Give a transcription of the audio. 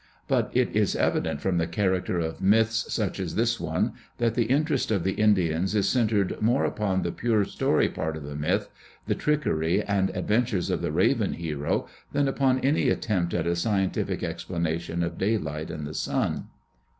But it is evident from the character of myths such as this one that the interest of the Indians is centered more upon the pure story part of the myth, the trickery and adventures of the raven hero, than upon any attempt at a scientific explana tion of daylight and the sun.